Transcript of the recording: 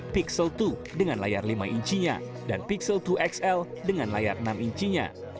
pixel dua dengan layar lima incinya dan pixel dua xl dengan layar enam incinya